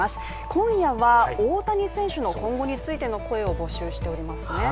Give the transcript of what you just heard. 今夜は大谷選手の今後についての声を募集しておりますね。